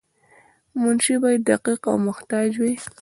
منشي باید دقیق او محتاط وای.